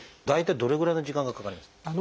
大体どれぐらいの時間がかかりますか？